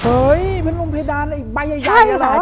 เฮ้ยพัดลมเพดานอีกใบใหญ่อะละ